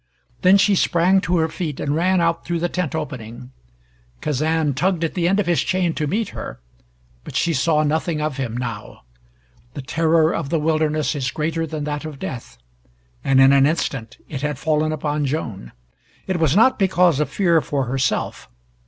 Then she sprang to her feet and ran out through the tent opening. Kazan tugged at the end of his chain to meet her, but she saw nothing of him now. The terror of the wilderness is greater than that of death, and in an instant it had fallen upon Joan. It was not because of fear for herself.